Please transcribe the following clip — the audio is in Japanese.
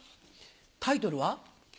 タイトルは？